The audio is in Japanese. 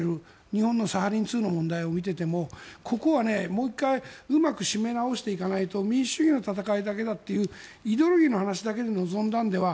日本のサハリン２の問題を見ていてもここはもう１回うまく締め直していかないと民主主義だけの戦いだというイデオロギーだけの話で臨んだのでは